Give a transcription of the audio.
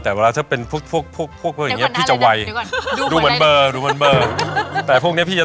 แต่พวกนี้พี่จะตั้งตีไว